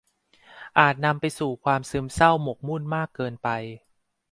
อาจนำไปสู่ความซึมเศร้าหมกมุ่นมากเกินไป